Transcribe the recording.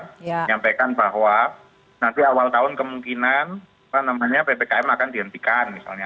menyampaikan bahwa nanti awal tahun kemungkinan ppkm akan dihentikan misalnya